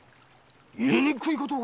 ⁉言いにくいことを。